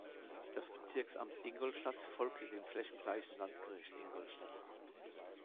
Das Bezirksamt Ingolstadt folgte dem flächengleichen Landgericht Ingolstadt.